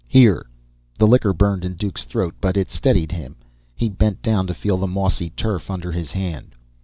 Here!" The liquor burned in Duke's throat, but it steadied him. He bent down, to feel the mossy turf under his hand.